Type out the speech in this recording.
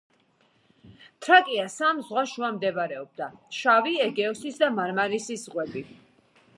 თრაკეა სამ ზღვას შუა მდებარეობდა: შავი, ეგეოსის და მარმარისის ზღვები.